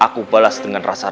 aku juga balas dengan baiknya